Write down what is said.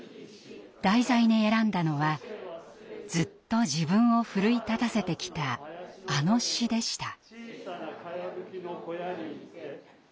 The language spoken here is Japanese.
題材に選んだのはずっと自分を奮い立たせてきたあの詩でした。